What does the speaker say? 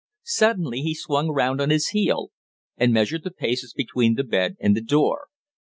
Suddenly he swung round on his heel, and measured the paces between the bed and the door.